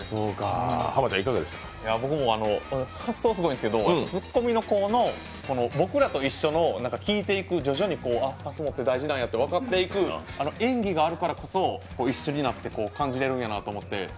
僕も発想はすごいんですけど、ツッコミの方の聞いていく徐々にＰＡＳＭＯって大事なんやという演技があるからこそ、一緒になって感じれるんやなって思って。